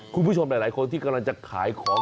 คุณผู้ชมหลายคนที่กำลังจะขายของ